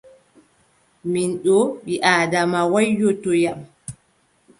Min ɗo, ɓii-Aadama waƴƴotoyam.